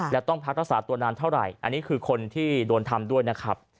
และต้องพักรักษาตัวนานเท่าไหร่อันนี้คือคนที่โดนทำด้วยนะครับ